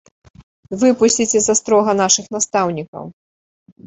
Выпусціце з астрога нашых настаўнікаў!